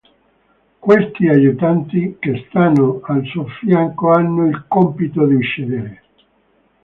Questi aiutanti che stanno al suo fianco hanno il compito di uccidere.